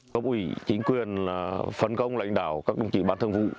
các ủy chính quyền phấn công lãnh đạo các đồng chí bán thương vụ